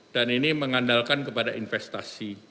dan ini mengandalkan kepada investasi